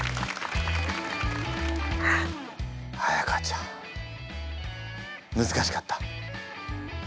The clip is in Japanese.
彩歌ちゃん難しかった？